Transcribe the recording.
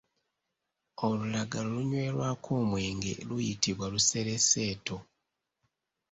Olulagala olunywerwako omwenge luyitibwa lusereseeto.